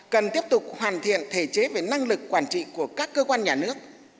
cần tiếp tục hoàn thiện thể chế về năng lực quản trị của các cơ quan nhà nước